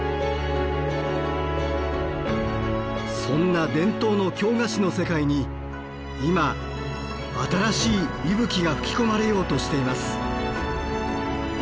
そんな伝統の京菓子の世界に今新しい息吹が吹き込まれようとしています。